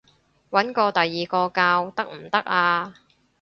搵過第二個教得唔得啊？